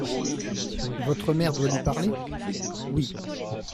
—Votre mère doit lui parler ? —Oui.